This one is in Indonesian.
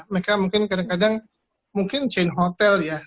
mereka mungkin kadang kadang mungkin chain hotel ya